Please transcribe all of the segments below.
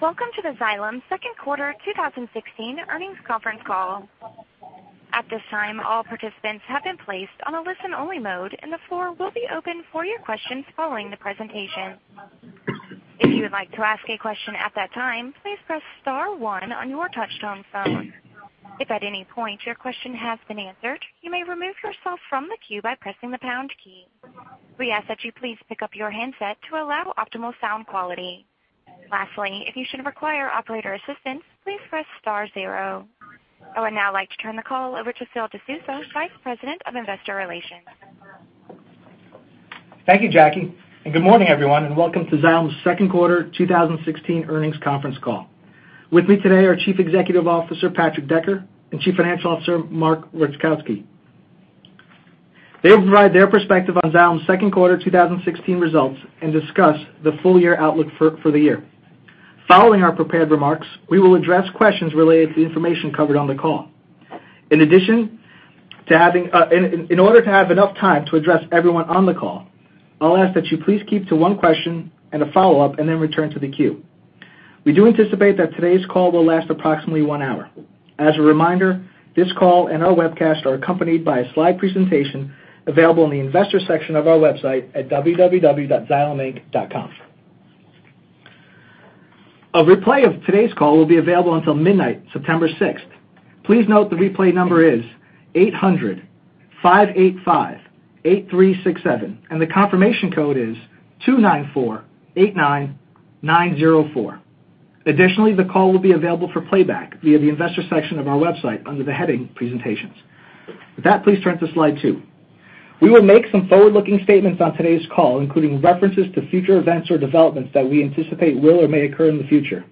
Welcome to the Xylem second quarter 2016 earnings conference call. At this time, all participants have been placed on a listen-only mode, the floor will be open for your questions following the presentation. If you would like to ask a question at that time, please press star one on your touch-tone phone. If at any point your question has been answered, you may remove yourself from the queue by pressing the pound key. We ask that you please pick up your handset to allow optimal sound quality. Lastly, if you should require operator assistance, please press star zero. I would now like to turn the call over to Phil DeSousa, Vice President of Investor Relations. Thank you, Jackie. Good morning, everyone, welcome to Xylem's second quarter 2016 earnings conference call. With me today are Chief Executive Officer, Patrick Decker, and Chief Financial Officer, Mark Rajkowski. They will provide their perspective on Xylem's second quarter 2016 results and discuss the full-year outlook for the year. Following our prepared remarks, we will address questions related to the information covered on the call. In order to have enough time to address everyone on the call, I'll ask that you please keep to one question and a follow-up then return to the queue. We do anticipate that today's call will last approximately one hour. As a reminder, this call and our webcast are accompanied by a slide presentation available in the investors section of our website at www.xyleminc.com. A replay of today's call will be available until midnight, September 6th. Please note the replay number is 800-585-8367, the confirmation code is 29489904. Additionally, the call will be available for playback via the investors section of our website under the heading Presentations. With that, please turn to Slide 2. We will make some forward-looking statements on today's call, including references to future events or developments that we anticipate will or may occur in the future.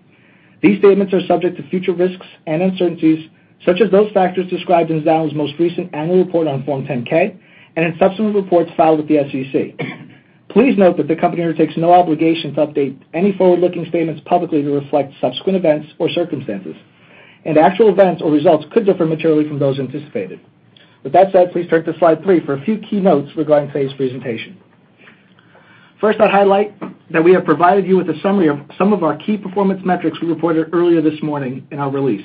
These statements are subject to future risks and uncertainties, such as those factors described in Xylem's most recent annual report on Form 10-K and in subsequent reports filed with the SEC. Please note that the company undertakes no obligation to update any forward-looking statements publicly to reflect subsequent events or circumstances. Actual events or results could differ materially from those anticipated. With that said, please turn to Slide 3 for a few key notes regarding today's presentation. First, I highlight that we have provided you with a summary of some of our key performance metrics we reported earlier this morning in our release.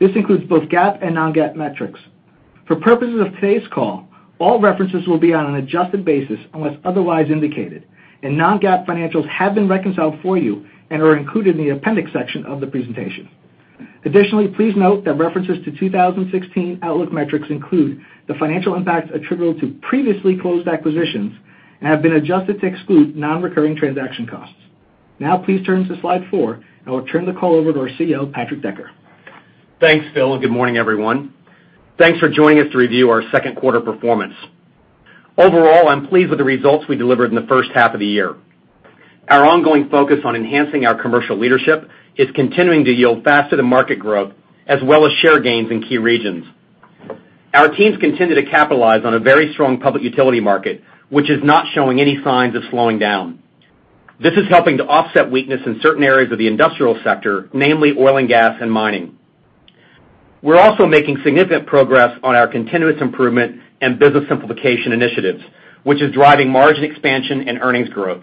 This includes both GAAP and non-GAAP metrics. For purposes of today's call, all references will be on an adjusted basis unless otherwise indicated, non-GAAP financials have been reconciled for you and are included in the appendix section of the presentation. Additionally, please note that references to 2016 outlook metrics include the financial impacts attributable to previously closed acquisitions and have been adjusted to exclude non-recurring transaction costs. Now please turn to Slide 4, I'll turn the call over to our CEO, Patrick Decker. Thanks, Phil, and good morning, everyone. Thanks for joining us to review our second quarter performance. Overall, I'm pleased with the results we delivered in the first half of the year. Our ongoing focus on enhancing our commercial leadership is continuing to yield faster-than-market growth as well as share gains in key regions. Our teams continue to capitalize on a very strong public utility market, which is not showing any signs of slowing down. This is helping to offset weakness in certain areas of the industrial sector, namely oil and gas and mining. We're also making significant progress on our continuous improvement and business simplification initiatives, which is driving margin expansion and earnings growth.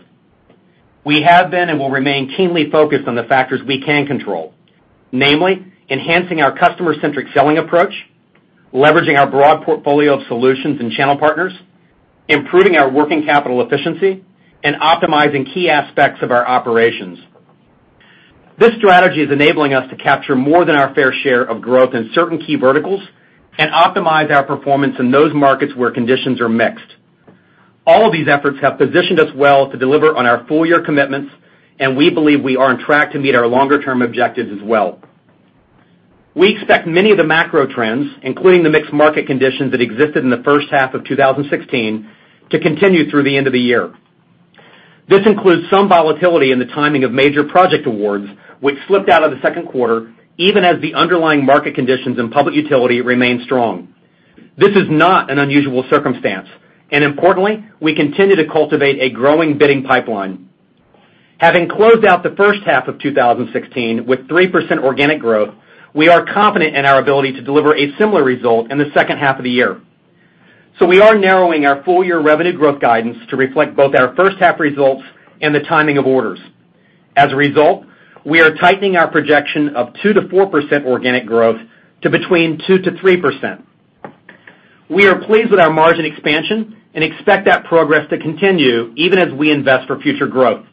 We have been and will remain keenly focused on the factors we can control, namely enhancing our customer-centric selling approach, leveraging our broad portfolio of solutions and channel partners, improving our working capital efficiency, and optimizing key aspects of our operations. This strategy is enabling us to capture more than our fair share of growth in certain key verticals and optimize our performance in those markets where conditions are mixed. All of these efforts have positioned us well to deliver on our full-year commitments, and we believe we are on track to meet our longer-term objectives as well. We expect many of the macro trends, including the mixed market conditions that existed in the first half of 2016, to continue through the end of the year. This includes some volatility in the timing of major project awards, which slipped out of the second quarter, even as the underlying market conditions in public utility remain strong. This is not an unusual circumstance, and importantly, we continue to cultivate a growing bidding pipeline. Having closed out the first half of 2016 with 3% organic growth, we are confident in our ability to deliver a similar result in the second half of the year. We are narrowing our full-year revenue growth guidance to reflect both our first half results and the timing of orders. As a result, we are tightening our projection of 2%-4% organic growth to between 2%-3%. We are pleased with our margin expansion and expect that progress to continue even as we invest for future growth.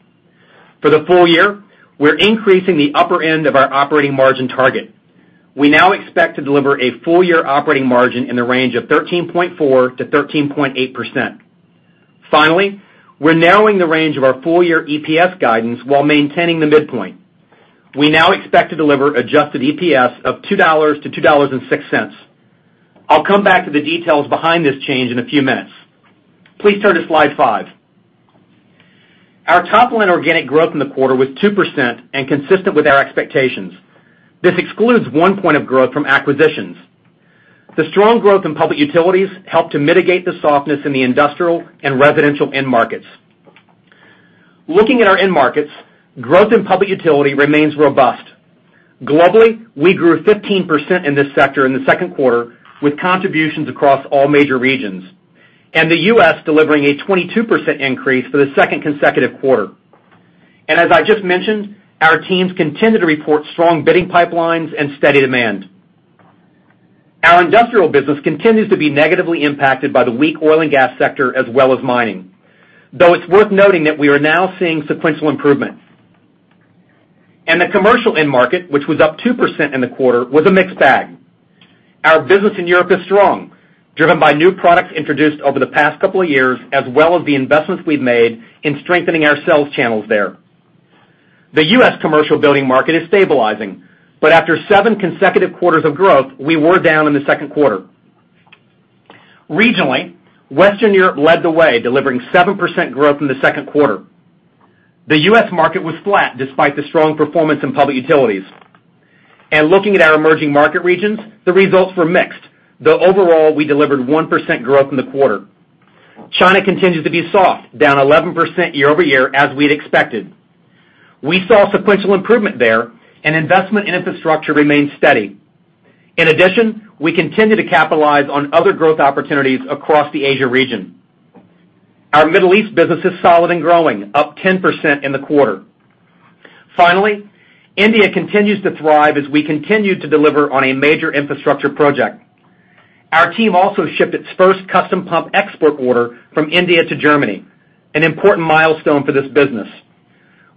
For the full year, we're increasing the upper end of our operating margin target. We now expect to deliver a full-year operating margin in the range of 13.4%-13.8%. Finally, we're narrowing the range of our full-year EPS guidance while maintaining the midpoint. We now expect to deliver adjusted EPS of $2-$2.06. I'll come back to the details behind this change in a few minutes. Please turn to Slide 5. Our top-line organic growth in the quarter was 2% and consistent with our expectations. This excludes one point of growth from acquisitions. The strong growth in public utilities helped to mitigate the softness in the industrial and residential end markets. Looking at our end markets, growth in public utility remains robust Globally, we grew 15% in this sector in the second quarter, with contributions across all major regions, and the U.S. delivering a 22% increase for the second consecutive quarter. As I just mentioned, our teams continue to report strong bidding pipelines and steady demand. Our industrial business continues to be negatively impacted by the weak oil and gas sector as well as mining, though it's worth noting that we are now seeing sequential improvement. The commercial end market, which was up 2% in the quarter, was a mixed bag. Our business in Europe is strong, driven by new products introduced over the past couple of years, as well as the investments we've made in strengthening our sales channels there. The U.S. commercial building market is stabilizing, but after seven consecutive quarters of growth, we were down in the second quarter. Regionally, Western Europe led the way, delivering 7% growth in the second quarter. The U.S. market was flat despite the strong performance in public utilities. Looking at our emerging market regions, the results were mixed, though overall, we delivered 1% growth in the quarter. China continues to be soft, down 11% year-over-year, as we'd expected. We saw sequential improvement there, and investment in infrastructure remains steady. In addition, we continue to capitalize on other growth opportunities across the Asia region. Our Middle East business is solid and growing, up 10% in the quarter. Finally, India continues to thrive as we continue to deliver on a major infrastructure project. Our team also shipped its first custom pump export order from India to Germany, an important milestone for this business.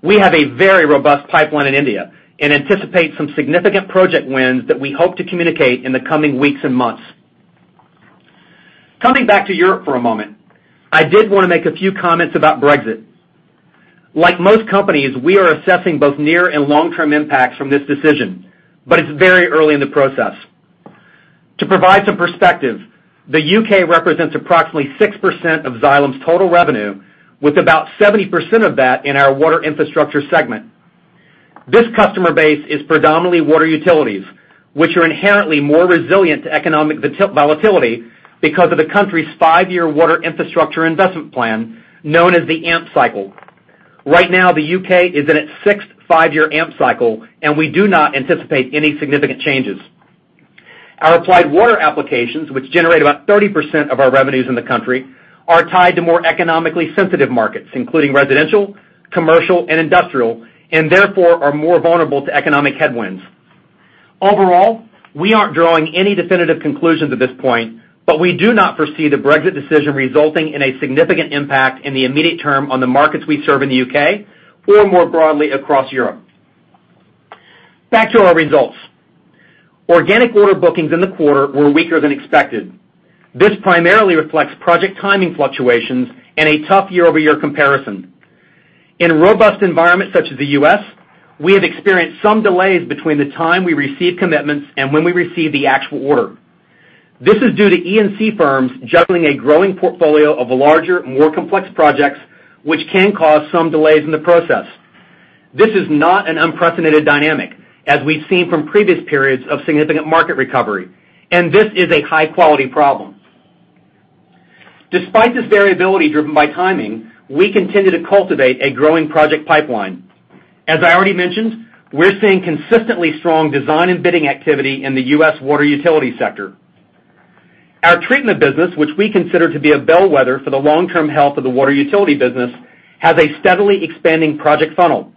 We have a very robust pipeline in India and anticipate some significant project wins that we hope to communicate in the coming weeks and months. Coming back to Europe for a moment, I did want to make a few comments about Brexit. Like most companies, we are assessing both near and long-term impacts from this decision, it's very early in the process. To provide some perspective, the U.K. represents approximately 6% of Xylem's total revenue, with about 70% of that in our Water Infrastructure segment. This customer base is predominantly water utilities, which are inherently more resilient to economic volatility because of the country's five-year water infrastructure investment plan, known as the AMP Cycle. Right now, the U.K. is in its sixth five-year AMP Cycle, and we do not anticipate any significant changes. Our Applied Water applications, which generate about 30% of our revenues in the country, are tied to more economically sensitive markets, including residential, commercial, and industrial, and therefore are more vulnerable to economic headwinds. Overall, we aren't drawing any definitive conclusions at this point, we do not foresee the Brexit decision resulting in a significant impact in the immediate term on the markets we serve in the U.K. or more broadly across Europe. Back to our results. Organic order bookings in the quarter were weaker than expected. This primarily reflects project timing fluctuations and a tough year-over-year comparison. In a robust environment such as the U.S., we have experienced some delays between the time we receive commitments and when we receive the actual order. This is due to E&C firms juggling a growing portfolio of larger, more complex projects, which can cause some delays in the process. This is not an unprecedented dynamic, as we've seen from previous periods of significant market recovery, this is a high-quality problem. Despite this variability driven by timing, we continue to cultivate a growing project pipeline. As I already mentioned, we're seeing consistently strong design and bidding activity in the U.S. water utility sector. Our treatment business, which we consider to be a bellwether for the long-term health of the water utility business, has a steadily expanding project funnel.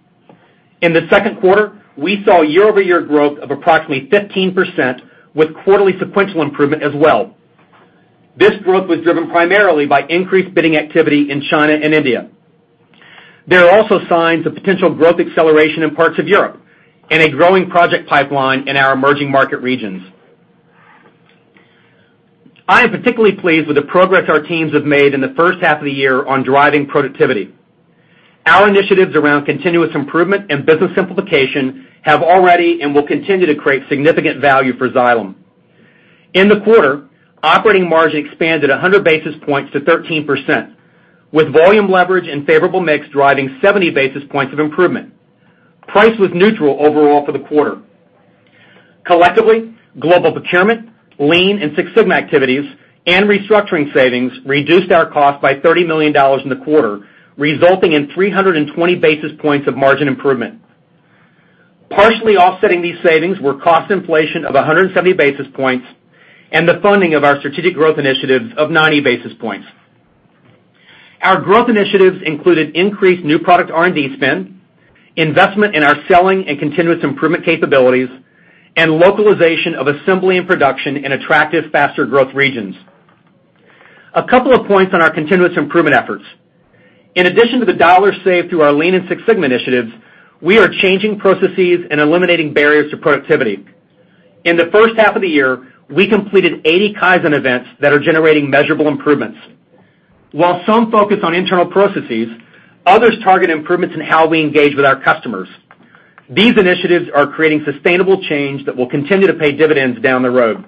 In the second quarter, we saw year-over-year growth of approximately 15%, with quarterly sequential improvement as well. This growth was driven primarily by increased bidding activity in China and India. There are also signs of potential growth acceleration in parts of Europe and a growing project pipeline in our emerging market regions. I am particularly pleased with the progress our teams have made in the first half of the year on driving productivity. Our initiatives around continuous improvement and business simplification have already and will continue to create significant value for Xylem. In the quarter, operating margin expanded 100 basis points to 13%, with volume leverage and favorable mix driving 70 basis points of improvement. Price was neutral overall for the quarter. Collectively, global procurement, lean and Six Sigma activities, and restructuring savings reduced our cost by $30 million in the quarter, resulting in 320 basis points of margin improvement. Partially offsetting these savings were cost inflation of 170 basis points and the funding of our strategic growth initiatives of 90 basis points. Our growth initiatives included increased new product R&D spend, investment in our selling and continuous improvement capabilities, and localization of assembly and production in attractive, faster growth regions. A couple of points on our continuous improvement efforts. In addition to the dollars saved through our lean and Six Sigma initiatives, we are changing processes and eliminating barriers to productivity. In the first half of the year, we completed 80 Kaizen events that are generating measurable improvements. While some focus on internal processes, others target improvements in how we engage with our customers. These initiatives are creating sustainable change that will continue to pay dividends down the road.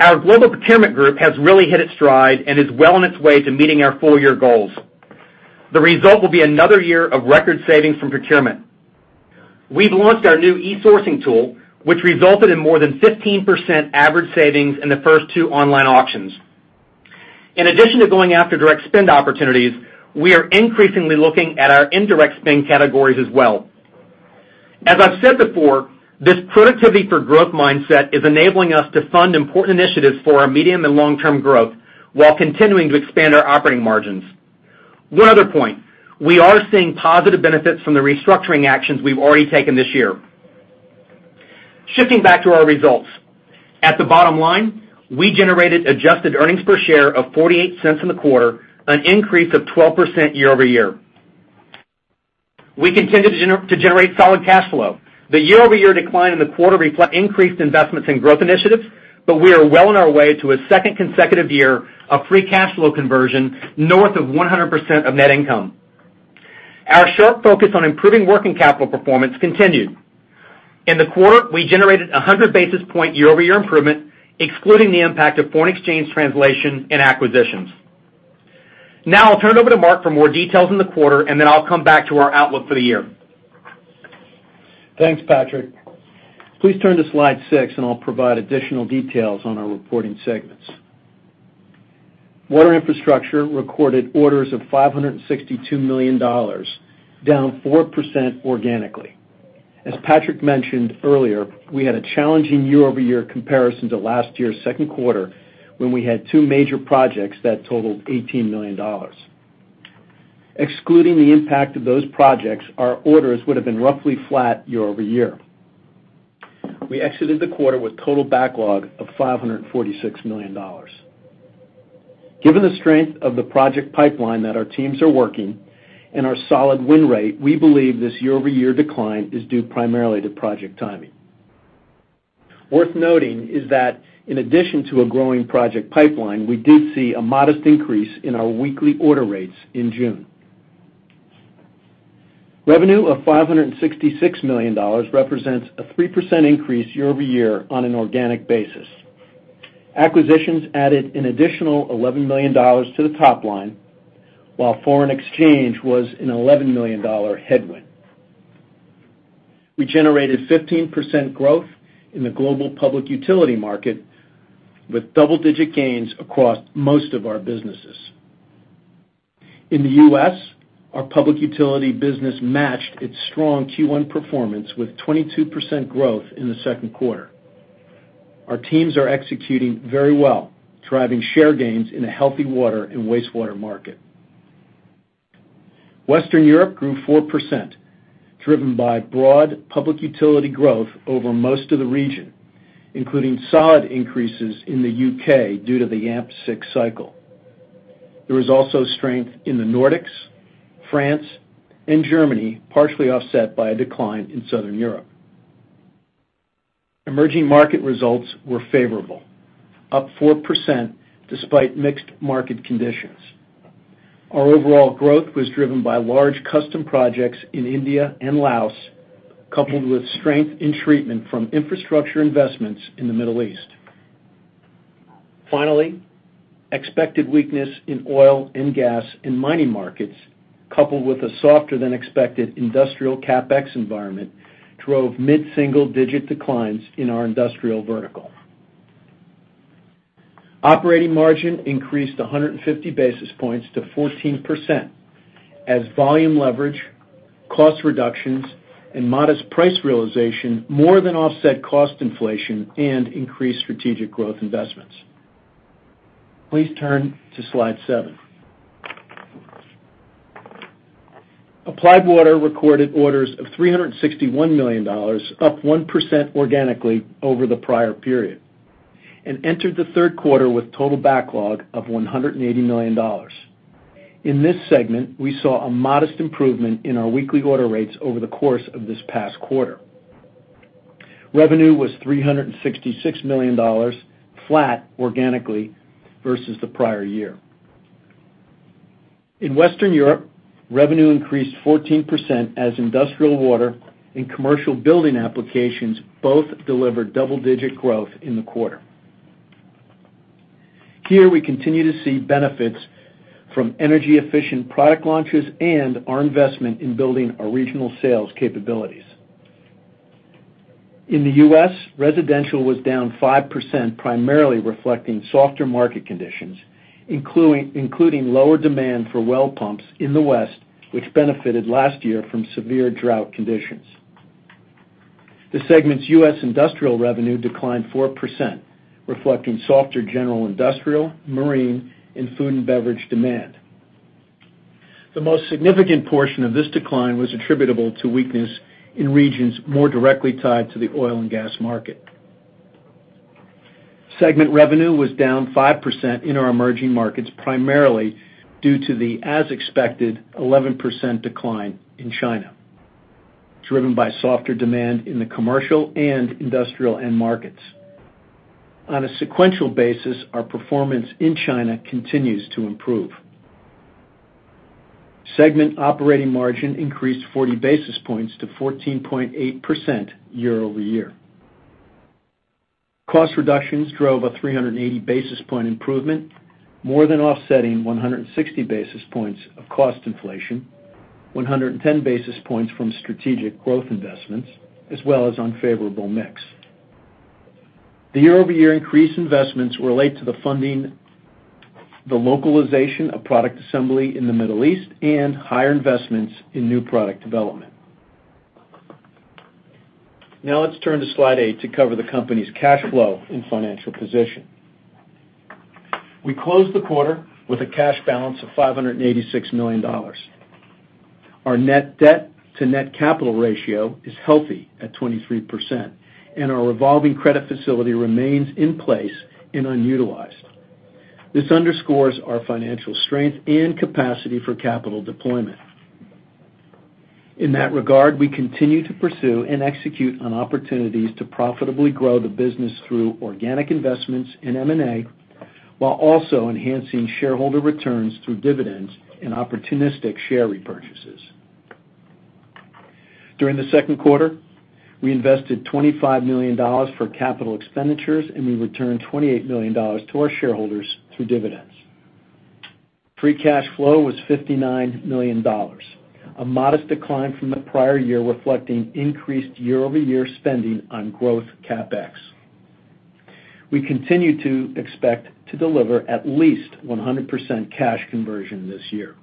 Our global procurement group has really hit its stride and is well on its way to meeting our full-year goals. The result will be another year of record savings from procurement. We've launched our new e-sourcing tool, which resulted in more than 15% average savings in the first two online auctions. In addition to going after direct spend opportunities, we are increasingly looking at our indirect spend categories as well. As I've said before, this productivity-for-growth mindset is enabling us to fund important initiatives for our medium and long-term growth while continuing to expand our operating margins. One other point, we are seeing positive benefits from the restructuring actions we've already taken this year. Shifting back to our results. At the bottom line, we generated adjusted earnings per share of $0.48 in the quarter, an increase of 12% year-over-year. We continue to generate solid cash flow. The year-over-year decline in the quarter reflect increased investments in growth initiatives, but we are well on our way to a second consecutive year of free cash flow conversion north of 100% of net income. Our sharp focus on improving working capital performance continued. In the quarter, we generated 100-basis point year-over-year improvement, excluding the impact of foreign exchange translation and acquisitions. Now I'll turn it over to Mark for more details on the quarter, and then I'll come back to our outlook for the year. Thanks, Patrick. Please turn to slide six, and I'll provide additional details on our reporting segments. Water Infrastructure recorded orders of $562 million, down 4% organically. As Patrick mentioned earlier, we had a challenging year-over-year comparison to last year's second quarter when we had two major projects that totaled $18 million. Excluding the impact of those projects, our orders would've been roughly flat year-over-year. We exited the quarter with total backlog of $546 million. Given the strength of the project pipeline that our teams are working and our solid win rate, we believe this year-over-year decline is due primarily to project timing. Worth noting is that in addition to a growing project pipeline, we did see a modest increase in our weekly order rates in June. Revenue of $566 million represents a 3% increase year-over-year on an organic basis. Acquisitions added an additional $11 million to the top line, while foreign exchange was an $11 million headwind. We generated 15% growth in the global public utility market, with double-digit gains across most of our businesses. In the U.S., our public utility business matched its strong Q1 performance with 22% growth in the second quarter. Our teams are executing very well, driving share gains in a healthy water and wastewater market. Western Europe grew 4%, driven by broad public utility growth over most of the region, including solid increases in the U.K. due to the AMP6 cycle. There was also strength in the Nordics, France, and Germany, partially offset by a decline in Southern Europe. Emerging market results were favorable, up 4% despite mixed market conditions. Our overall growth was driven by large custom projects in India and Laos, coupled with strength in treatment from infrastructure investments in the Middle East. Finally, expected weakness in oil and gas and mining markets, coupled with a softer-than-expected industrial CapEx environment, drove mid-single-digit declines in our industrial vertical. Operating margin increased 150 basis points to 14% as volume leverage, cost reductions, and modest price realization more than offset cost inflation and increased strategic growth investments. Please turn to slide seven. Applied Water recorded orders of $361 million, up 1% organically over the prior period, and entered the third quarter with total backlog of $180 million. In this segment, we saw a modest improvement in our weekly order rates over the course of this past quarter. Revenue was $366 million, flat organically versus the prior year. In Western Europe, revenue increased 14% as industrial water and commercial building applications both delivered double-digit growth in the quarter. Here, we continue to see benefits from energy-efficient product launches and our investment in building our regional sales capabilities. In the U.S., residential was down 5%, primarily reflecting softer market conditions, including lower demand for well pumps in the West, which benefited last year from severe drought conditions. The segment's U.S. industrial revenue declined 4%, reflecting softer general industrial, marine, and food and beverage demand. The most significant portion of this decline was attributable to weakness in regions more directly tied to the oil and gas market. Segment revenue was down 5% in our emerging markets, primarily due to the as-expected 11% decline in China, driven by softer demand in the commercial and industrial end markets. On a sequential basis, our performance in China continues to improve. Segment operating margin increased 40 basis points to 14.8% year-over-year. Cost reductions drove a 380-basis point improvement, more than offsetting 160 basis points of cost inflation, 110 basis points from strategic growth investments, as well as unfavorable mix. The year-over-year increase investments relate to the funding, the localization of product assembly in the Middle East, and higher investments in new product development. Now let's turn to slide eight to cover the company's cash flow and financial position. We closed the quarter with a cash balance of $586 million. Our net debt to net capital ratio is healthy at 23%, and our revolving credit facility remains in place and unutilized. This underscores our financial strength and capacity for capital deployment. In that regard, we continue to pursue and execute on opportunities to profitably grow the business through organic investments in M&A, while also enhancing shareholder returns through dividends and opportunistic share repurchases. During the second quarter, we invested $25 million for capital expenditures, and we returned $28 million to our shareholders through dividends. Free cash flow was $59 million, a modest decline from the prior year, reflecting increased year-over-year spending on growth CapEx. We continue to expect to deliver at least 100% cash conversion this year.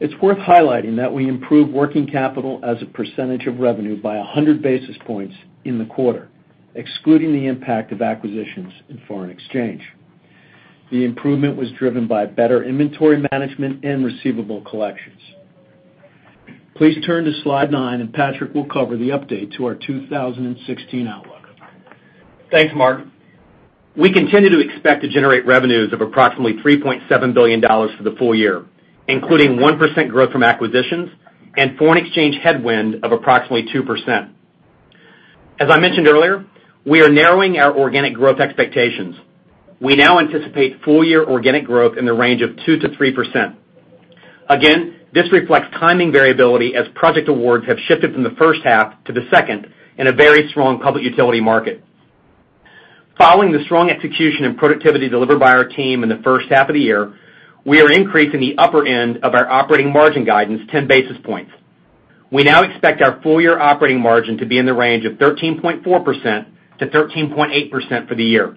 It's worth highlighting that we improved working capital as a percentage of revenue by 100 basis points in the quarter, excluding the impact of acquisitions in foreign exchange. The improvement was driven by better inventory management and receivable collections. Please turn to slide nine, and Patrick will cover the update to our 2016 outlook. Thanks, Mark. We continue to expect to generate revenues of approximately $3.7 billion for the full year, including 1% growth from acquisitions and foreign exchange headwind of approximately 2%. As I mentioned earlier, we are narrowing our organic growth expectations. We now anticipate full-year organic growth in the range of 2% to 3%. Again, this reflects timing variability as project awards have shifted from the first half to the second in a very strong public utility market. Following the strong execution and productivity delivered by our team in the first half of the year, we are increasing the upper end of our operating margin guidance 10 basis points. We now expect our full-year operating margin to be in the range of 13.4% to 13.8% for the year.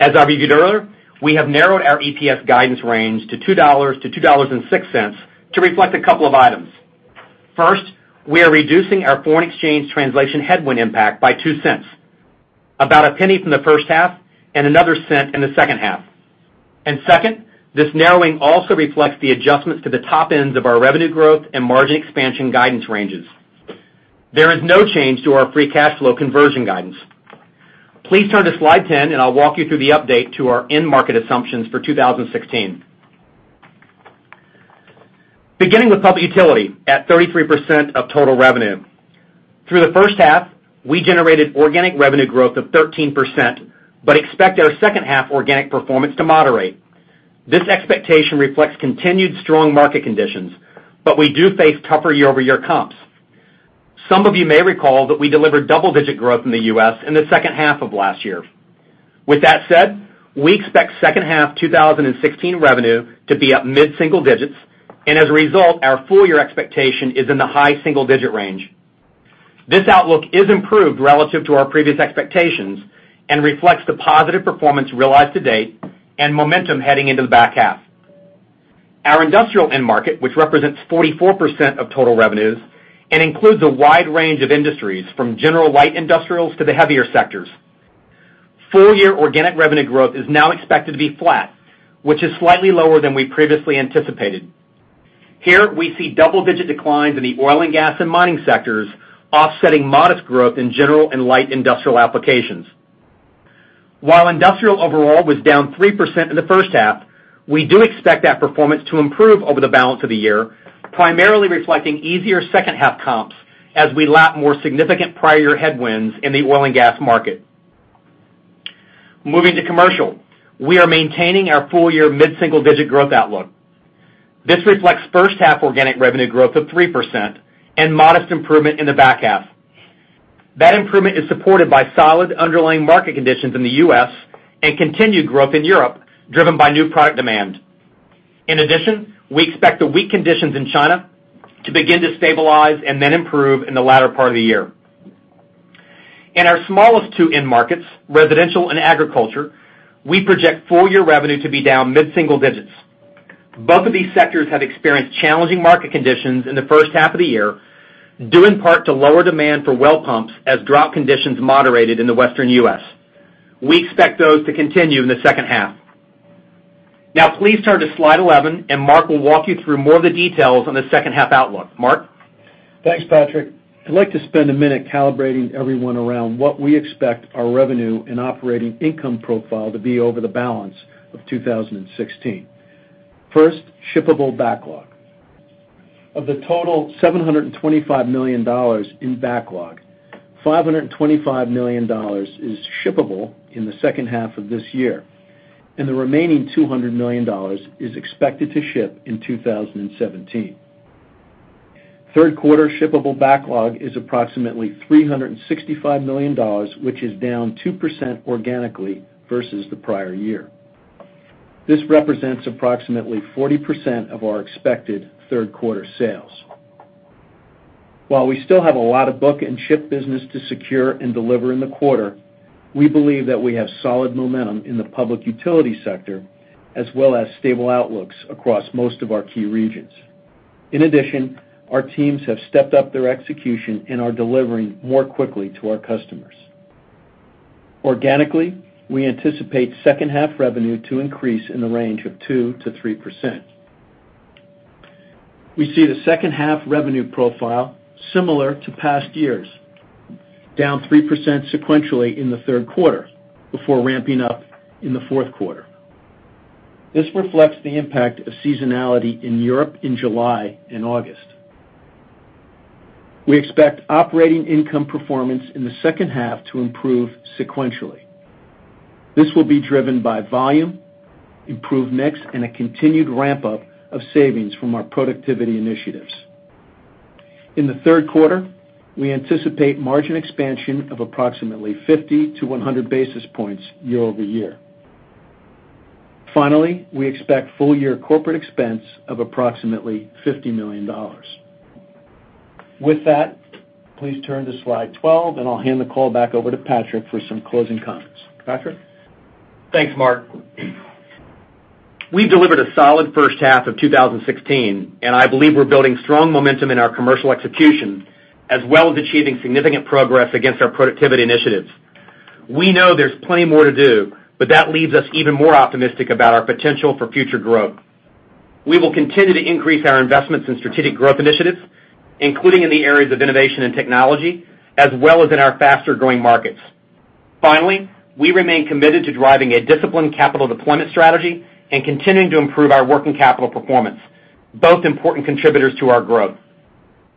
As I reviewed earlier, we have narrowed our EPS guidance range to $2 to $2.06 to reflect a couple of items. First, we are reducing our foreign exchange translation headwind impact by $0.02, about $0.01 from the first half, and another $0.01 in the second half. Second, this narrowing also reflects the adjustments to the top ends of our revenue growth and margin expansion guidance ranges. There is no change to our free cash flow conversion guidance. Please turn to slide 10, and I'll walk you through the update to our end market assumptions for 2016. Beginning with public utility at 33% of total revenue. Through the first half, we generated organic revenue growth of 13% but expect our second-half organic performance to moderate. This expectation reflects continued strong market conditions, but we do face tougher year-over-year comps. Some of you may recall that we delivered double-digit growth in the U.S. in the second half of last year. With that said, we expect second half 2016 revenue to be up mid-single digits, and as a result, our full-year expectation is in the high single-digit range. This outlook is improved relative to our previous expectations and reflects the positive performance realized to date and momentum heading into the back half. Our industrial end market, which represents 44% of total revenues and includes a wide range of industries from general light industrials to the heavier sectors. Full-year organic revenue growth is now expected to be flat, which is slightly lower than we previously anticipated. Here, we see double-digit declines in the oil and gas and mining sectors, offsetting modest growth in general and light industrial applications. While industrial overall was down 3% in the first half, we do expect that performance to improve over the balance of the year, primarily reflecting easier second-half comps as we lap more significant prior year headwinds in the oil and gas market. Moving to commercial. We are maintaining our full-year mid-single-digit growth outlook. This reflects first-half organic revenue growth of 3% and modest improvement in the back half. That improvement is supported by solid underlying market conditions in the U.S. and continued growth in Europe, driven by new product demand. In addition, we expect the weak conditions in China to begin to stabilize and then improve in the latter part of the year. In our smallest two end markets, residential and agriculture, we project full-year revenue to be down mid-single digits. Both of these sectors have experienced challenging market conditions in the first half of the year, due in part to lower demand for well pumps as drought conditions moderated in the Western U.S. We expect those to continue in the second half. Now please turn to slide 11, and Mark will walk you through more of the details on the second half outlook. Mark? Thanks, Patrick. I'd like to spend a minute calibrating everyone around what we expect our revenue and operating income profile to be over the balance of 2016. First, shippable backlog. Of the total $725 million in backlog, $525 million is shippable in the second half of this year, and the remaining $200 million is expected to ship in 2017. Third quarter shippable backlog is approximately $365 million, which is down 2% organically versus the prior year. This represents approximately 40% of our expected third-quarter sales. While we still have a lot of book and ship business to secure and deliver in the quarter, we believe that we have solid momentum in the public utility sector, as well as stable outlooks across most of our key regions. In addition, our teams have stepped up their execution and are delivering more quickly to our customers. Organically, we anticipate second half revenue to increase in the range of 2%-3%. We see the second half revenue profile similar to past years, down 3% sequentially in the third quarter before ramping up in the fourth quarter. This reflects the impact of seasonality in Europe in July and August. We expect operating income performance in the second half to improve sequentially. This will be driven by volume, improved mix, and a continued ramp-up of savings from our productivity initiatives. In the third quarter, we anticipate margin expansion of approximately 50-100 basis points year-over-year. Finally, we expect full year corporate expense of approximately $50 million. With that, please turn to slide 12, and I'll hand the call back over to Patrick for some closing comments. Patrick? Thanks, Mark. We've delivered a solid first half of 2016. I believe we're building strong momentum in our commercial execution, as well as achieving significant progress against our productivity initiatives. We know there's plenty more to do. That leaves us even more optimistic about our potential for future growth. We will continue to increase our investments in strategic growth initiatives, including in the areas of innovation and technology, as well as in our faster-growing markets. Finally, we remain committed to driving a disciplined capital deployment strategy and continuing to improve our working capital performance, both important contributors to our growth.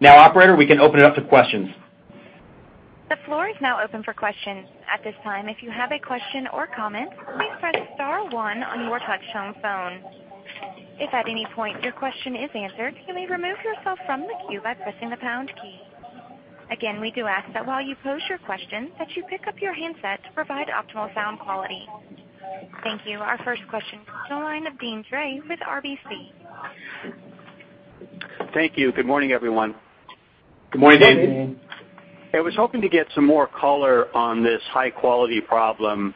Operator, we can open it up to questions. The floor is now open for questions. At this time, if you have a question or comment, please press *1 on your touch-tone phone. If at any point your question is answered, you may remove yourself from the queue by pressing the # key. Again, we do ask that while you pose your question, that you pick up your handset to provide optimal sound quality. Thank you. Our first question comes from the line of Deane Dray with RBC. Thank you. Good morning, everyone. Good morning, Deane. Good morning. I was hoping to get some more color on this high-quality problem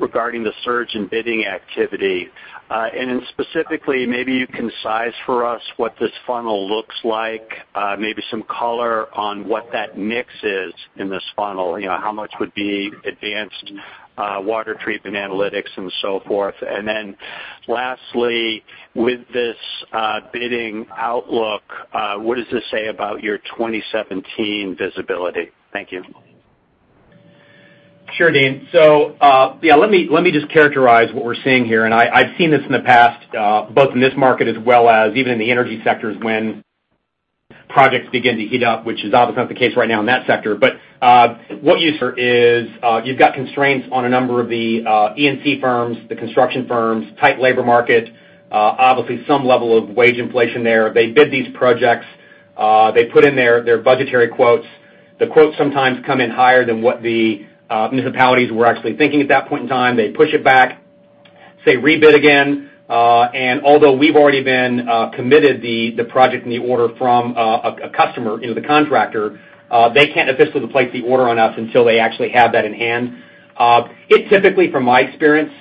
regarding the surge in bidding activity. Specifically, maybe you can size for us what this funnel looks like, maybe some color on what that mix is in this funnel, how much would be advanced water treatment analytics and so forth. Then lastly, with this bidding outlook, what does this say about your 2017 visibility? Thank you. Sure, Deane. Let me just characterize what we're seeing here. I've seen this in the past both in this market as well as even in the energy sectors when projects begin to heat up, which is obviously not the case right now in that sector. What you see is you've got constraints on a number of the E&C firms, the construction firms, tight labor market, obviously some level of wage inflation there. They bid these projects. They put in their budgetary quotes. The quotes sometimes come in higher than what the municipalities were actually thinking at that point in time. They push it back, say rebid again. Although we've already been committed the project and the order from a customer, the contractor, they can't officially place the order on us until they actually have that in hand. It typically, from my experience,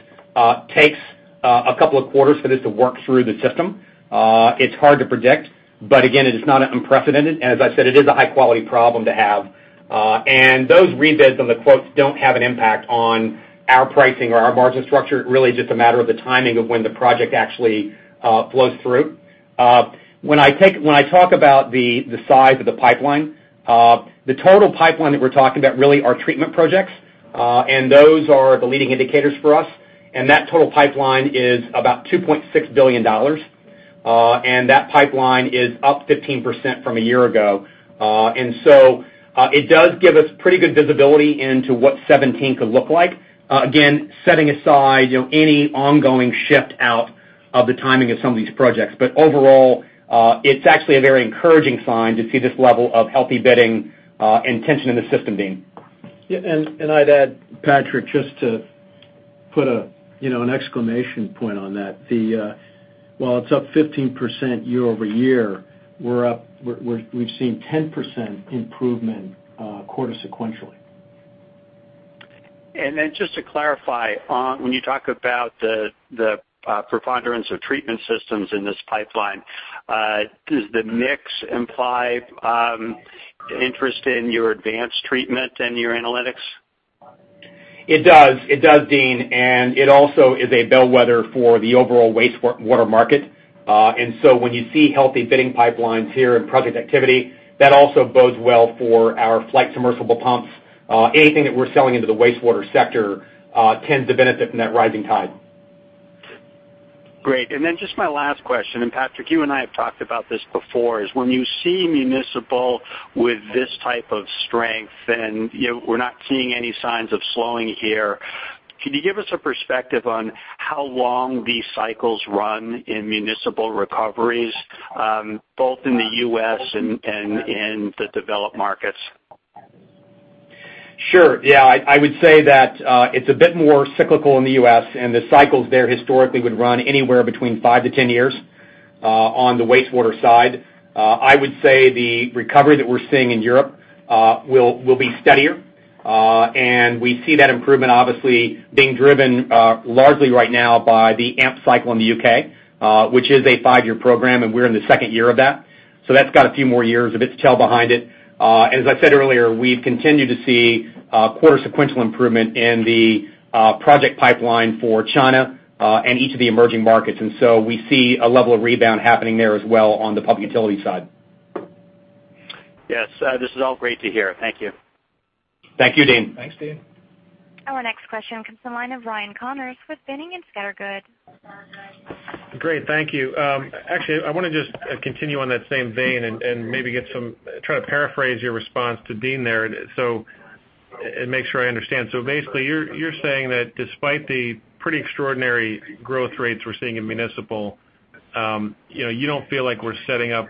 takes a couple of quarters for this to work through the system. It's hard to predict, but again, it is not unprecedented. As I said, it is a high-quality problem to have. Those rebids on the quotes don't have an impact on our pricing or our margin structure. It really is just a matter of the timing of when the project actually flows through. When I talk about the size of the pipeline, the total pipeline that we're talking about really are treatment projects, and those are the leading indicators for us. That total pipeline is about $2.6 billion. That pipeline is up 15% from a year ago. It does give us pretty good visibility into what 2017 could look like. Again, setting aside any ongoing shift out of the timing of some of these projects. Overall, it's actually a very encouraging sign to see this level of healthy bidding and tension in the system, Deane. I'd add, Patrick, just to put an exclamation point on that. While it's up 15% year-over-year, we've seen 10% improvement quarter sequentially. Just to clarify, when you talk about the preponderance of treatment systems in this pipeline, does the mix imply interest in your advanced treatment and your analytics? It does, Deane, it also is a bellwether for the overall wastewater market. When you see healthy bidding pipelines here and project activity, that also bodes well for our Flygt submersible pumps. Anything that we're selling into the wastewater sector tends to benefit from that rising tide. Great. Just my last question, Patrick, you and I have talked about this before, is when you see municipal with this type of strength, we're not seeing any signs of slowing here, can you give us a perspective on how long these cycles run in municipal recoveries, both in the U.S. and in the developed markets? Sure. I would say that it's a bit more cyclical in the U.S., the cycles there historically would run anywhere between 5 to 10 years on the wastewater side. I would say the recovery that we're seeing in Europe will be steadier. We see that improvement obviously being driven largely right now by the AMP cycle in the U.K., which is a 5-year program, we're in the second year of that. That's got a few more years of its tail behind it. As I said earlier, we've continued to see quarter sequential improvement in the project pipeline for China and each of the emerging markets. We see a level of rebound happening there as well on the public utility side. Yes. This is all great to hear. Thank you. Thank you, Deane. Thanks, Deane. Our next question comes from the line of Ryan Connors with Boenning & Scattergood. Great. Thank you. Actually, I want to just continue on that same vein and maybe try to paraphrase your response to Deane there, to make sure I understand. Basically, you're saying that despite the pretty extraordinary growth rates we're seeing in municipal, you don't feel like we're setting up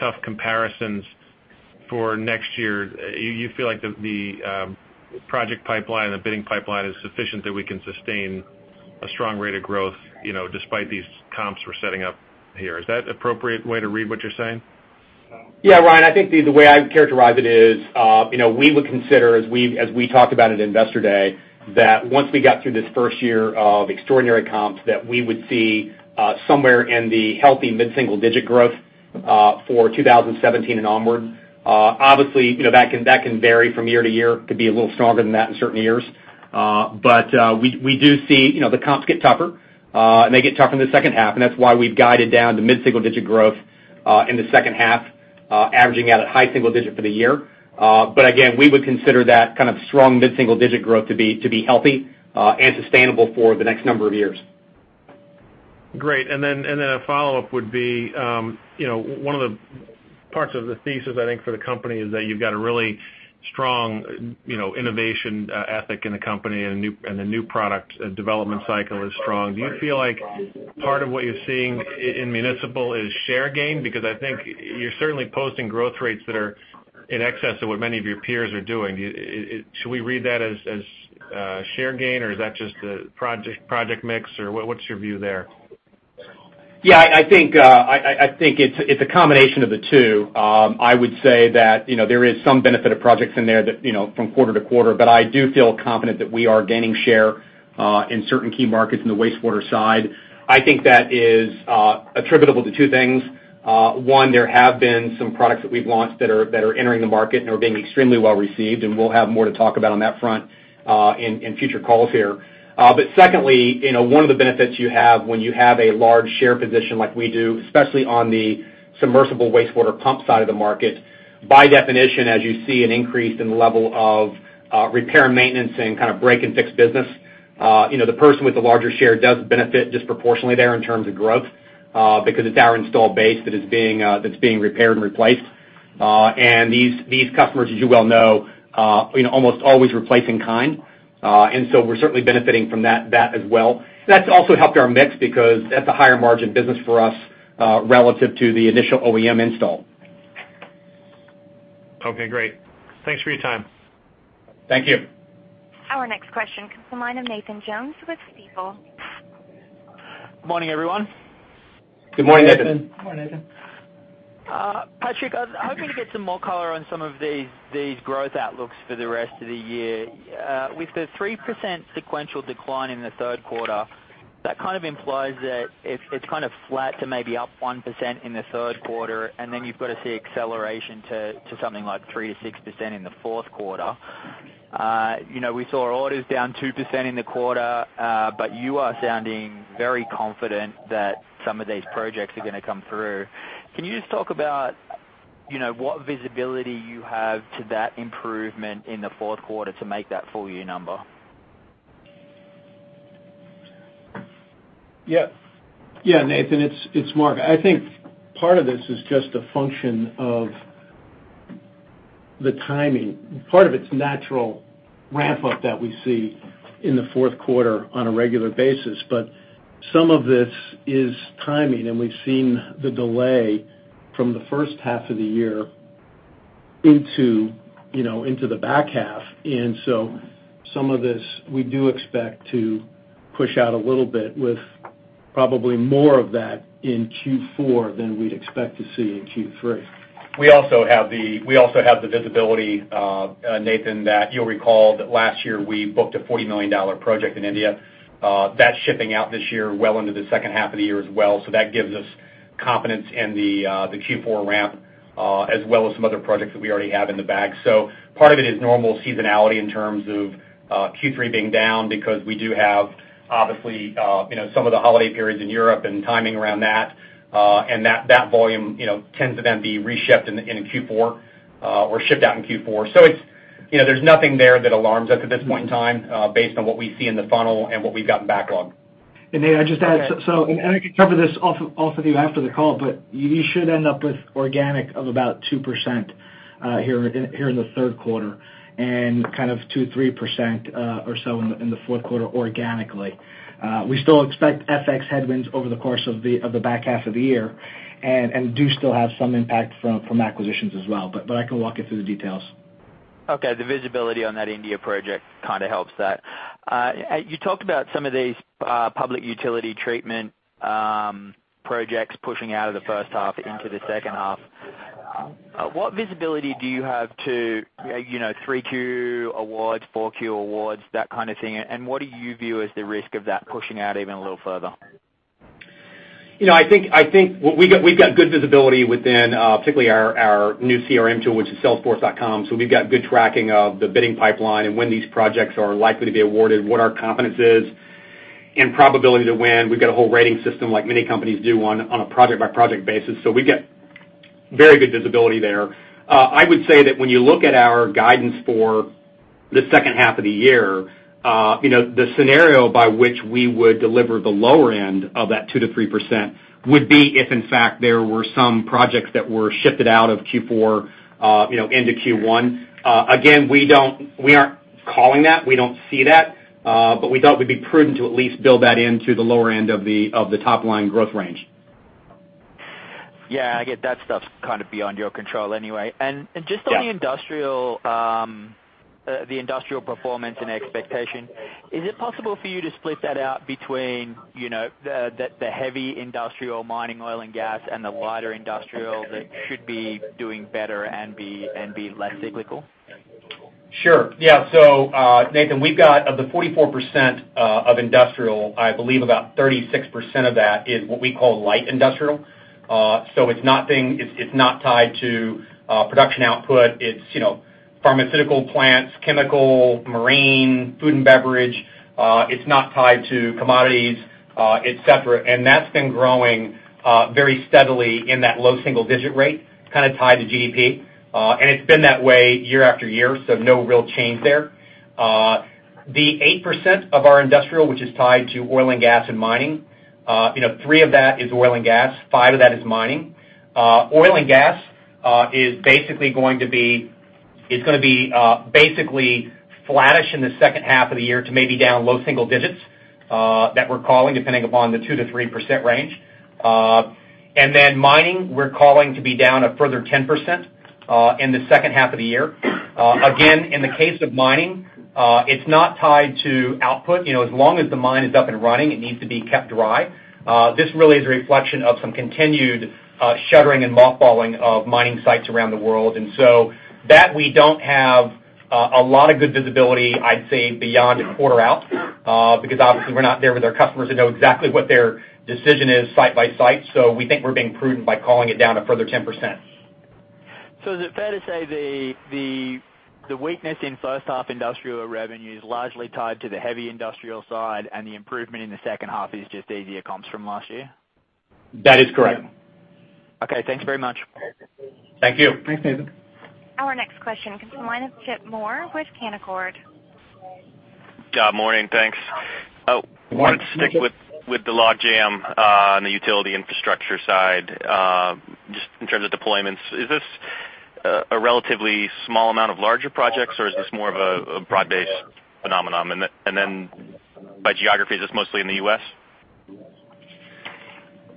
tough comparisons for next year. You feel like the project pipeline, the bidding pipeline is sufficient that we can sustain a strong rate of growth despite these comps we're setting up here. Is that appropriate way to read what you're saying? Yeah, Ryan, I think the way I would characterize it is we would consider, as we talked about at Investor Day, that once we got through this first year of extraordinary comps, that we would see somewhere in the healthy mid-single digit growth for 2017 and onward. Obviously, that can vary from year to year, could be a little stronger than that in certain years. We do see the comps get tougher. They get tougher in the second half, and that's why we've guided down to mid-single digit growth in the second half, averaging out at high single digit for the year. Again, we would consider that kind of strong mid-single digit growth to be healthy and sustainable for the next number of years. Great. Then a follow-up would be, one of the parts of the thesis, I think, for the company is that you've got a really strong innovation ethic in the company, and the new product development cycle is strong. Do you feel like part of what you're seeing in municipal is share gain? Because I think you're certainly posting growth rates that are in excess of what many of your peers are doing. Should we read that as share gain, or is that just a project mix, or what's your view there? Yeah, I think it's a combination of the two. I would say that there is some benefit of projects in there from quarter to quarter, but I do feel confident that we are gaining share in certain key markets in the wastewater side. I think that is attributable to two things. One, there have been some products that we've launched that are entering the market and are being extremely well-received, and we'll have more to talk about on that front in future calls here. Secondly, one of the benefits you have when you have a large share position like we do, especially on the submersible wastewater pump side of the market, by definition, as you see an increase in the level of repair and maintenance and kind of break-and-fix business, the person with the larger share does benefit disproportionately there in terms of growth, because it's our installed base that's being repaired and replaced. These customers, as you well know, almost always replace in kind. So we're certainly benefiting from that as well. That's also helped our mix because that's a higher margin business for us relative to the initial OEM install. Okay, great. Thanks for your time. Thank you. Our next question comes from the line of Nathan Jones with Stifel. Good morning, everyone. Good morning, Nathan. Good morning, Nathan. Patrick, I was hoping to get some more color on some of these growth outlooks for the rest of the year. With the 3% sequential decline in the third quarter, that kind of implies that it's kind of flat to maybe up 1% in the third quarter, and then you've got to see acceleration to something like 3%-6% in the fourth quarter. We saw orders down 2% in the quarter, but you are sounding very confident that some of these projects are going to come through. Can you just talk about what visibility you have to that improvement in the fourth quarter to make that full-year number? Yeah, Nathan, it's Mark. I think part of this is just a function of the timing. Part of it's natural ramp up that we see in the fourth quarter on a regular basis, but some of this is timing, and we've seen the delay from the first half of the year into the back half. Some of this, we do expect to push out a little bit with probably more of that in Q4 than we'd expect to see in Q3. We also have the visibility, Nathan, that you'll recall that last year we booked a $40 million project in India. That's shipping out this year well into the second half of the year as well, that gives us confidence in the Q4 ramp, as well as some other projects that we already have in the bag. Part of it is normal seasonality in terms of Q3 being down because we do have obviously some of the holiday periods in Europe and timing around that. That volume tends to then be re-shipped in Q4 or shipped out in Q4. There's nothing there that alarms us at this point in time based on what we see in the funnel and what we've got in backlog. Nate, I'd just add, I can cover this off with you after the call, you should end up with organic of about 2% here in the third quarter and kind of 2%-3% or so in the fourth quarter organically. We still expect FX headwinds over the course of the back half of the year and do still have some impact from acquisitions as well. I can walk you through the details. Okay, the visibility on that India project kind of helps that. You talked about some of these public utility treatment projects pushing out of the first half into the second half. What visibility do you have to, three Q awards, four Q awards, that kind of thing, and what do you view as the risk of that pushing out even a little further? I think we've got good visibility within particularly our new CRM tool, which is Salesforce.com. We've got good tracking of the bidding pipeline and when these projects are likely to be awarded, what our competence is, and probability to win. We've got a whole rating system like many companies do on a project-by-project basis. We get very good visibility there. I would say that when you look at our guidance for the second half of the year, the scenario by which we would deliver the lower end of that 2%-3% would be if in fact there were some projects that were shifted out of Q4 into Q1. Again, we aren't calling that. We don't see that. We thought it would be prudent to at least build that into the lower end of the top-line growth range. Yeah, I get that stuff's kind of beyond your control anyway. Yeah. Just on the industrial performance and expectation, is it possible for you to split that out between the heavy industrial mining, oil and gas, and the lighter industrial that should be doing better and be less cyclical? Sure. Yeah. Nathan, we've got, of the 44% of industrial, I believe about 36% of that is what we call light industrial. It's not tied to production output. It's pharmaceutical plants, chemical, marine, food and beverage. It's not tied to commodities, et cetera. That's been growing very steadily in that low single-digit rate, kind of tied to GDP. It's been that way year-after-year, so no real change there. The 8% of our industrial, which is tied to oil and gas and mining, three of that is oil and gas, five of that is mining. Oil and gas is going to be basically flattish in the second half of the year to maybe down low single digits, that we're calling, depending upon the 2%-3% range. Then mining, we're calling to be down a further 10% in the second half of the year. Again, in the case of mining, it's not tied to output. As long as the mine is up and running, it needs to be kept dry. This really is a reflection of some continued shuttering and mothballing of mining sites around the world, and so that, we don't have a lot of good visibility, I'd say, beyond a quarter out. Because obviously we're not there with our customers to know exactly what their decision is site by site. We think we're being prudent by calling it down a further 10%. Is it fair to say the weakness in first half industrial revenue is largely tied to the heavy industrial side, and the improvement in the second half is just easier comps from last year? That is correct. Okay, thanks very much. Thank you. Thanks, Nathan. Our next question comes from the line of Chip Moore with Canaccord. Yeah, morning. Thanks. Morning, Chip. I want to stick with the logjam on the utility infrastructure side, just in terms of deployments. Is this a relatively small amount of larger projects, or is this more of a broad-based phenomenon? By geography, is this mostly in the U.S.?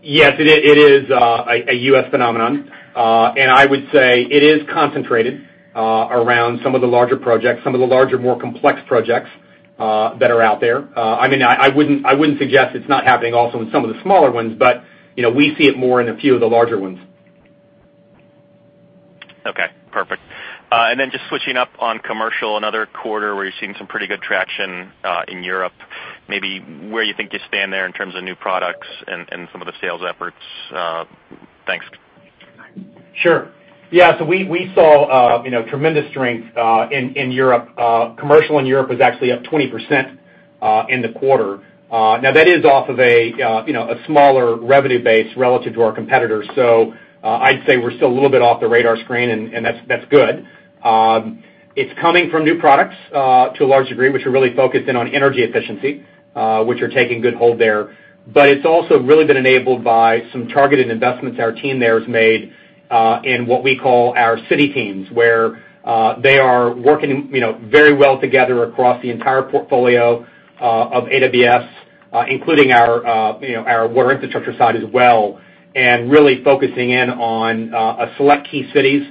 Yes, it is a U.S. phenomenon. I would say it is concentrated around some of the larger projects, some of the larger, more complex projects that are out there. I wouldn't suggest it's not happening also in some of the smaller ones, but we see it more in a few of the larger ones. Okay, perfect. Just switching up on commercial, another quarter where you're seeing some pretty good traction in Europe, maybe where you think you stand there in terms of new products and some of the sales efforts. Thanks. Sure. Yeah. We saw tremendous strength in Europe. Commercial in Europe was actually up 20% in the quarter. Now, that is off of a smaller revenue base relative to our competitors. I'd say we're still a little bit off the radar screen, and that's good. It's coming from new products to a large degree, which we're really focused in on energy efficiency, which are taking good hold there. It's also really been enabled by some targeted investments our team there has made in what we call our city teams, where they are working very well together across the entire portfolio of AWS, including our Water Infrastructure side as well, really focusing in on select key cities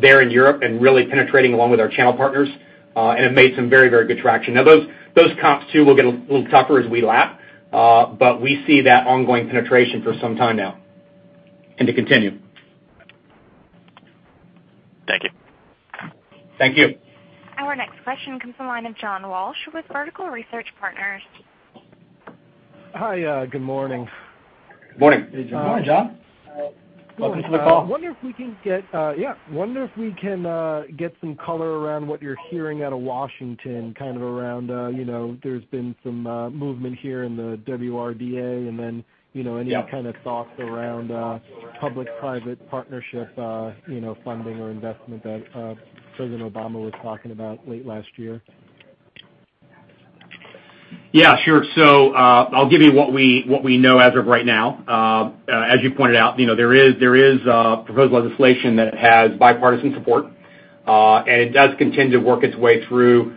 there in Europe and really penetrating along with our channel partners. It made some very, very good traction. Those comps too will get a little tougher as we lap, but we see that ongoing penetration for some time now and to continue. Thank you. Thank you. Our next question comes from the line of John Walsh with Vertical Research Partners. Hi, good morning. Morning. Hey, John. Morning, John. Welcome to the call. Wonder if we can get some color around what you're hearing out of Washington, kind of around, there's been some movement here in the WRDA. Yeah Any kind of thoughts around public-private partnership funding or investment that President Obama was talking about late last year? Yeah, sure. I'll give you what we know as of right now. As you pointed out, there is proposed legislation that has bipartisan support, and it does continue to work its way through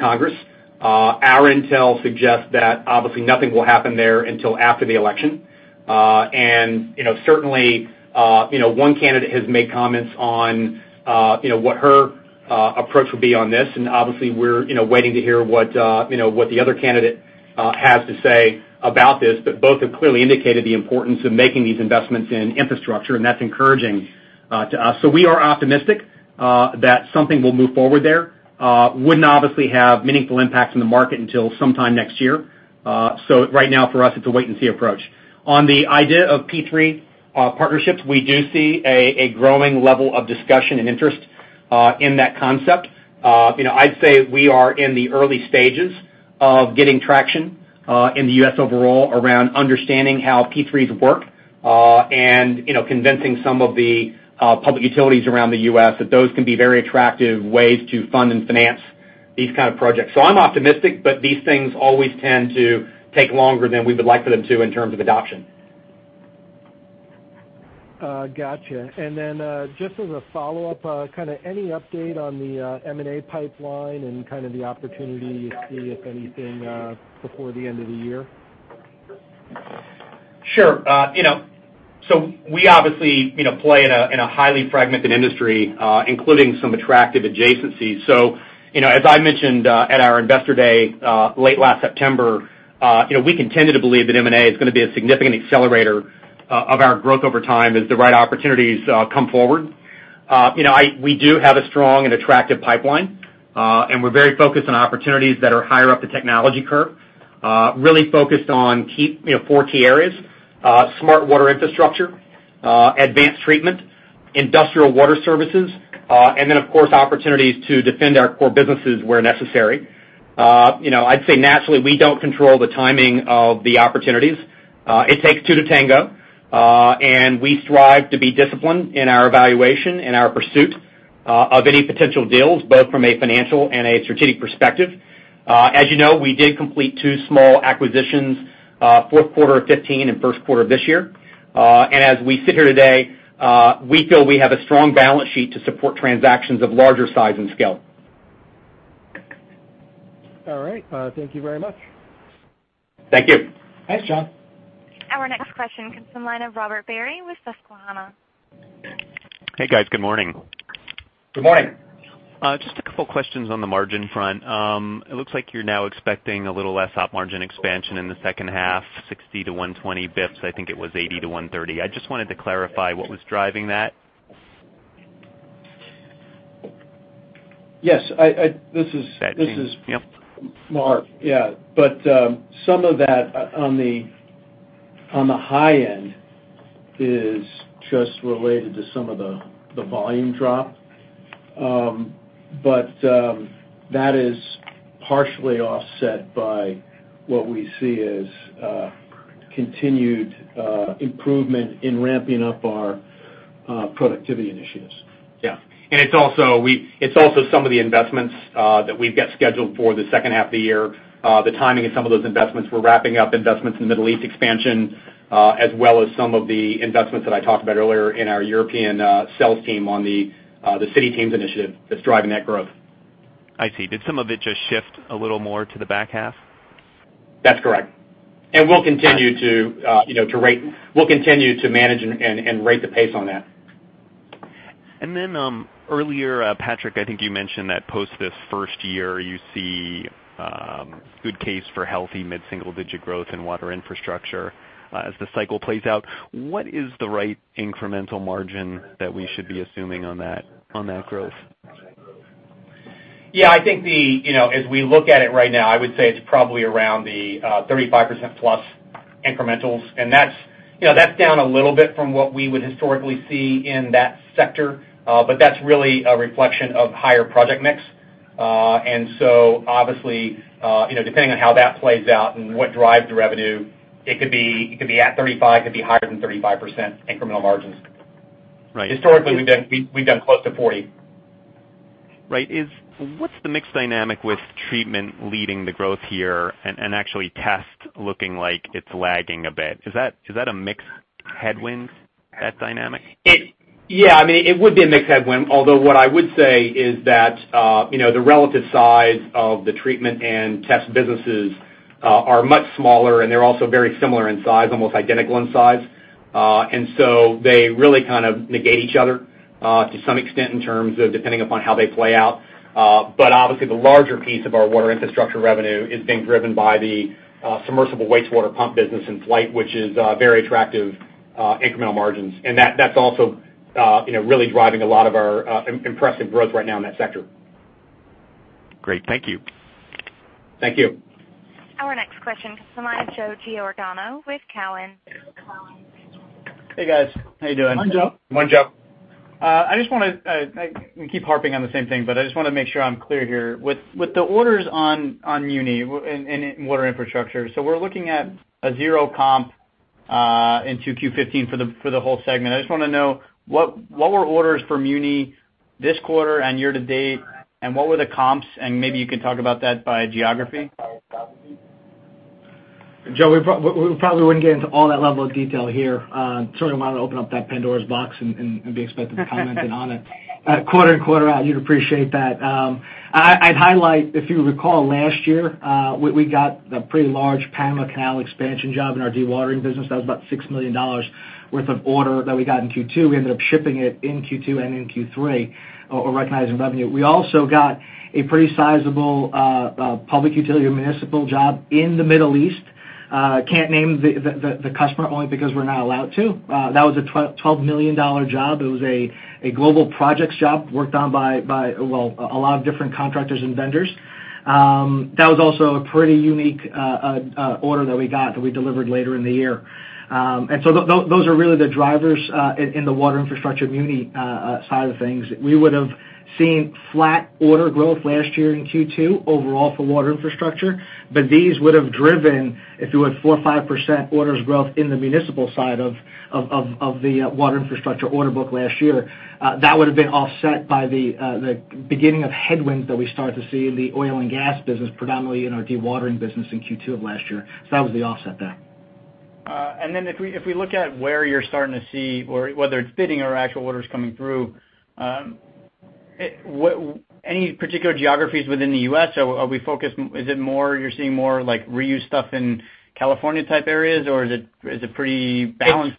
Congress. Our intel suggests that obviously nothing will happen there until after the election. Certainly, one candidate has made comments on what her approach would be on this, and obviously, we're waiting to hear what the other candidate has to say about this. Both have clearly indicated the importance of making these investments in infrastructure, and that's encouraging to us. We are optimistic that something will move forward there. It wouldn't obviously have meaningful impacts on the market until sometime next year. Right now for us, it's a wait-and-see approach. On the idea of P3 partnerships, we do see a growing level of discussion and interest in that concept. I'd say we are in the early stages of getting traction in the U.S. overall around understanding how P3s work, and convincing some of the public utilities around the U.S. that those can be very attractive ways to fund and finance these kind of projects. I'm optimistic, but these things always tend to take longer than we would like for them to in terms of adoption. Got you. Then, just as a follow-up, any update on the M&A pipeline and kind of the opportunity to see if anything before the end of the year? We obviously play in a highly fragmented industry, including some attractive adjacencies. As I mentioned at our Investor Day late last September, we continue to believe that M&A is going to be a significant accelerator of our growth over time as the right opportunities come forward. We do have a strong and attractive pipeline. We're very focused on opportunities that are higher up the technology curve. Really focused on four key areas: smart water infrastructure, advanced treatment, industrial water services, and then of course, opportunities to defend our core businesses where necessary. I'd say naturally, we don't control the timing of the opportunities. It takes two to tango. We strive to be disciplined in our evaluation and our pursuit of any potential deals, both from a financial and a strategic perspective. As you know, we did complete two small acquisitions, fourth quarter of 2015 and first quarter of this year. As we sit here today, we feel we have a strong balance sheet to support transactions of larger size and scale. All right. Thank you very much. Thank you. Thanks, John. Our next question comes from the line of Robert Barry with Susquehanna. Hey, guys. Good morning. Good morning. Just a couple of questions on the margin front. It looks like you're now expecting a little less op margin expansion in the second half, 60 to 120 basis points. I think it was 80 to 130 basis points. I just wanted to clarify what was driving that. Yes. This is. That's me. Yep Mark. Yeah. Some of that on the high end is just related to some of the volume drop. That is partially offset by what we see as continued improvement in ramping up our productivity initiatives. It's also some of the investments that we've got scheduled for the second half of the year. The timing of some of those investments, we're wrapping up investments in Middle East expansion, as well as some of the investments that I talked about earlier in our European sales team on the City Teams Initiative that's driving that growth. I see. Did some of it just shift a little more to the back half? That's correct. We'll continue to manage and rate the pace on that. Then, earlier, Patrick, I think you mentioned that post this first year, you see a good case for healthy mid-single-digit growth in Water Infrastructure as the cycle plays out. What is the right incremental margin that we should be assuming on that growth? Yeah, I think as we look at it right now, I would say it's probably around the 35%-plus incrementals, that's down a little bit from what we would historically see in that sector. That's really a reflection of higher project mix. Obviously, depending on how that plays out and what drives the revenue, it could be at 35%, it could be higher than 35% incremental margins. Right. Historically, we've done close to 40%. Right. What's the mix dynamic with treatment leading the growth here and actually Test looking like it's lagging a bit? Is that a mix headwind, that dynamic? Yeah, it would be a mix headwind, although what I would say is that the relative size of the treatment and Test businesses are much smaller, and they're also very similar in size, almost identical in size. They really kind of negate each other to some extent in terms of depending upon how they play out. Obviously, the larger piece of our Water Infrastructure revenue is being driven by the submersible wastewater pump business in Flygt, which is very attractive incremental margins. That's also really driving a lot of our impressive growth right now in that sector. Great. Thank you. Thank you. Our next question comes from the line of Joe Giordano with Cowen. Hey, guys. How you doing? Fine, Joe. Morning, Joe. We keep harping on the same thing, I just want to make sure I'm clear here. With the orders on muni in Water Infrastructure, we're looking at a zero comp into Q2 2015 for the whole segment. I just want to know, what were orders for muni this quarter and year-to-date, and what were the comps, and maybe you could talk about that by geography? Joe, we probably wouldn't get into all that level of detail here. Certainly wouldn't want to open up that Pandora's box and be expected to comment on it. Quarter in, quarter out, you'd appreciate that. I'd highlight, if you recall last year, we got the pretty large Panama Canal expansion job in our dewatering business. That was about $6 million worth of order that we got in Q2. We ended up shipping it in Q2 and in Q3, or recognizing revenue. We also got a pretty sizable public utility municipal job in the Middle East. Can't name the customer, only because we're not allowed to. That was a $12 million job. It was a global projects job worked on by a lot of different contractors and vendors. That was also a pretty unique order that we got that we delivered later in the year. Those are really the drivers in the Water Infrastructure muni side of things. We would've seen flat order growth last year in Q2 overall for Water Infrastructure, but these would've driven, if it was 4% or 5% orders growth in the municipal side of the Water Infrastructure order book last year. That would've been offset by the beginning of headwinds that we start to see in the oil and gas business, predominantly in our dewatering business in Q2 of last year. That was the offset there. If we look at where you're starting to see, or whether it's bidding or actual orders coming through, any particular geographies within the U.S.? Is it more you're seeing more like reuse stuff in California type areas, or is it pretty balanced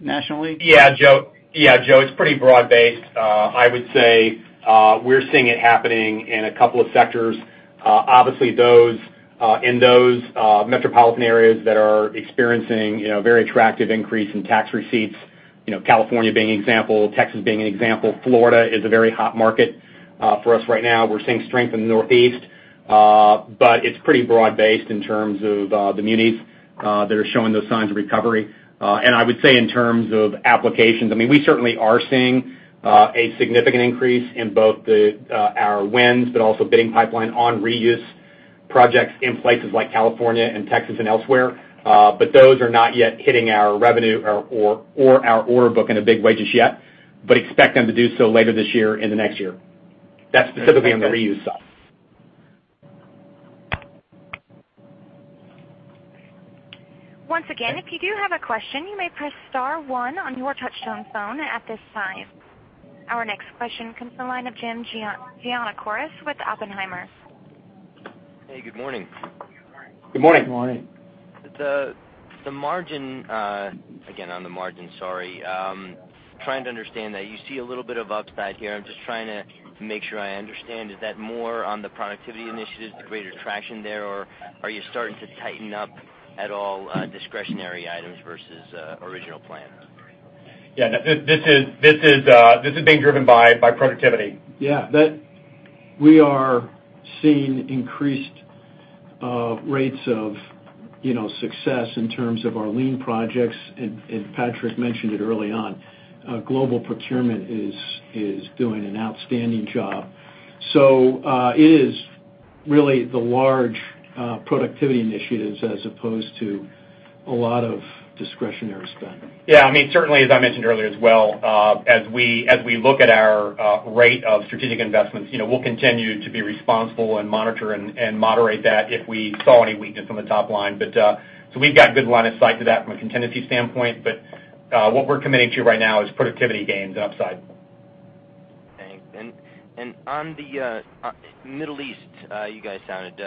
nationally? Yeah, Joe, it's pretty broad-based. I would say we're seeing it happening in a couple of sectors. Obviously in those metropolitan areas that are experiencing very attractive increase in tax receipts, California being an example, Texas being an example. Florida is a very hot market for us right now. We're seeing strength in the Northeast. It's pretty broad-based in terms of the munis that are showing those signs of recovery. I would say in terms of applications, we certainly are seeing a significant increase in both our wins, but also bidding pipeline on reuse projects in places like California and Texas and elsewhere. Those are not yet hitting our revenue or our order book in a big way just yet, but expect them to do so later this year and next year. That's specifically on the reuse side. Once again, if you do have a question, you may press *1 on your touchtone phone at this time. Our next question comes from the line of Jim Giannakouros with Oppenheimer. Hey, good morning. Good morning. Good morning. The margin, again, on the margin, sorry. Trying to understand that you see a little bit of upside here. I'm just trying to make sure I understand. Is that more on the productivity initiatives, the greater traction there, or are you starting to tighten up at all discretionary items versus original plan? Yeah, this is being driven by productivity. Yeah. We are seeing increased rates of success in terms of our lean projects. Patrick mentioned it early on. Global procurement is doing an outstanding job. It is really the large productivity initiatives as opposed to a lot of discretionary spend. Yeah. Certainly as I mentioned earlier as well, as we look at our rate of strategic investments, we'll continue to be responsible and monitor and moderate that if we saw any weakness on the top line. We've got good line of sight to that from a contingency standpoint, but what we're committing to right now is productivity gains and upside. Okay. On the Middle East, you guys sounded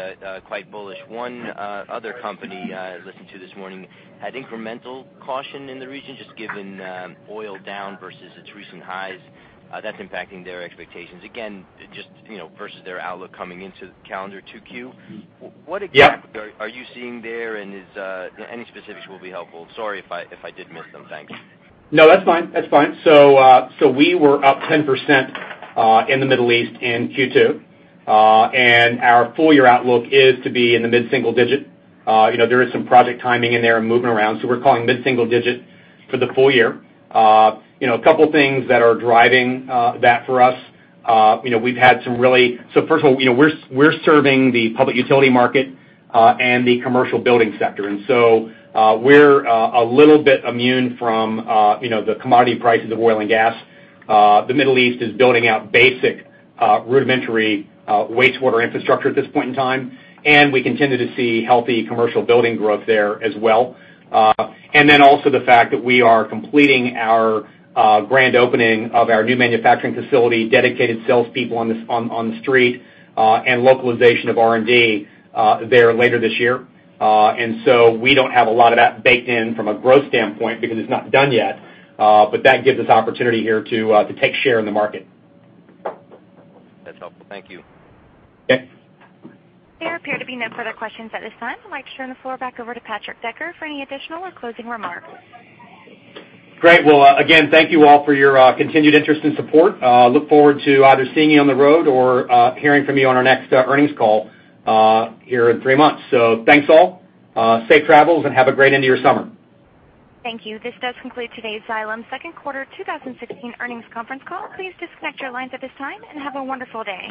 quite bullish. One other company I listened to this morning had incremental caution in the region, just given oil down versus its recent highs. That's impacting their expectations. Again, just versus their outlook coming into calendar 2Q. Yeah. What exactly are you seeing there, any specifics will be helpful. Sorry if I did miss them. Thanks. No, that's fine. We were up 10% in the Middle East in Q2. Our full year outlook is to be in the mid-single digit. There is some project timing in there and moving around, we're calling mid-single digit for the full year. A couple of things that are driving that for us. First of all, we're serving the public utility market, and the commercial building sector. We're a little bit immune from the commodity prices of oil and gas. The Middle East is building out basic rudimentary wastewater infrastructure at this point in time, and we continue to see healthy commercial building growth there as well. Also the fact that we are completing our grand opening of our new manufacturing facility, dedicated salespeople on the street, and localization of R&D there later this year. We don't have a lot of that baked in from a growth standpoint because it's not done yet. That gives us opportunity here to take share in the market. That's helpful. Thank you. Yeah. There appear to be no further questions at this time. I'd like to turn the floor back over to Patrick Decker for any additional or closing remarks. Great. Well, again, thank you all for your continued interest and support. Look forward to either seeing you on the road or hearing from you on our next earnings call here in three months. Thanks all, safe travels and have a great end of your summer. Thank you. This does conclude today's Xylem second quarter 2016 earnings conference call. Please disconnect your lines at this time and have a wonderful day.